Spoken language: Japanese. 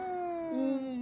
うん。